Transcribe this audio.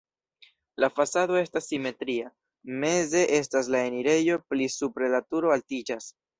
La fasado estas simetria, meze estas la enirejo, pli supre la turo altiĝas.